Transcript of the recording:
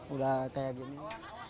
udah kayak gini